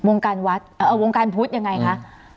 วงการวัดวงการพุทธยังไงคะ